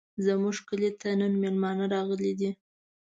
زموږ کلي ته نن مېلمانه راغلي دي.